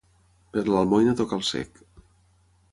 Per l'almoina toca el cec.